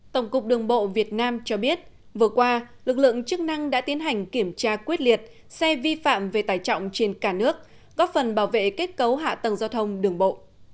tổng cục đường bộ việt nam cho biết vừa qua lực lượng chức năng đã tiến hành kiểm tra quyết liệt xe vi phạm về tải trọng trên cả nước góp phần bảo vệ kết cấu hạ tầng giao thông đường bộ